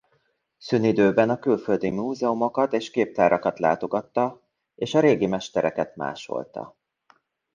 Szünidőben a külföldi múzeumokat és képtárakat látogatta és a régi mestereket másolta.